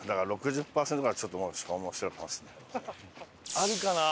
あるかな？